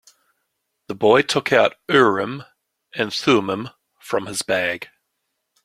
The boy took out Urim and Thummim from his bag.